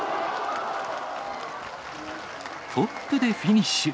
トップでフィニッシュ。